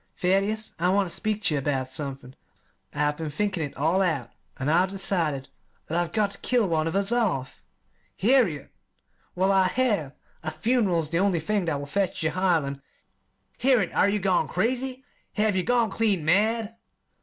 "Thaddeus, I want ter speak ter you about somethin'. I've been thinkin' it all out, an' I've decided that I've got ter kill one of us off." "Harriet!" "Well, I have. A fun'ral is the only thing that will fetch Jehiel and " "Harriet, are ye gone crazy? Have ye gone clean mad?"